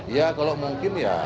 ya kalau mungkin ya